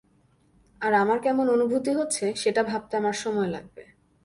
আর আমার কেমন অনুভূতি হচ্ছে, সেটা ভাবতে আমার সময় লাগবে।